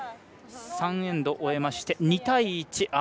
３エンド終えまして２対１。